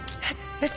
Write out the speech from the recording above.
えっ？